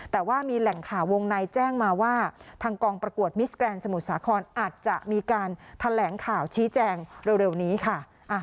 แต่ว่ามีแหล่งข่าววงในแจ้งมาว่าทางกองประกวดมิสแกรนด์สมุทรสาครอาจจะมีการแถลงข่าวชี้แจงเร็วนี้ค่ะ